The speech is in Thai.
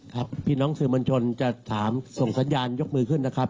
พี่น้องสื่อมวลชนจะถามส่งสัญญาณยกมือขึ้นนะครับ